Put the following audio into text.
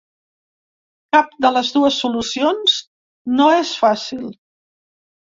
Cap de les dues solucions no és fàcil.